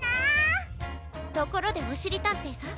ところでおしりたんていさん。